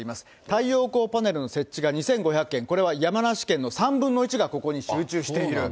太陽光パネルの設置が２５００件、これは山梨県の３分の１がここに集中している。